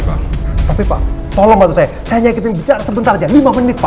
pak tolong bantu saya saya nyakitin bicara sebentar aja lima menit pak